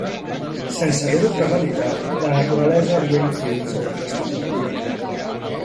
Sense haver-ho premeditat, la naturalesa havia influït sobre aquesta pintura.